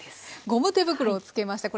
ゴム手袋を着けました。